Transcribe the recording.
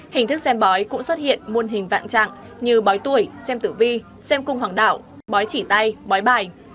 hình thức xem bói cũng xuất hiện muôn hình vạn trạng như bói tuổi xem tử vi xem cung hoàng đạo bói chỉ tay bói bài